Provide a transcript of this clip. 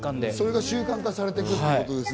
それが習慣化されていく。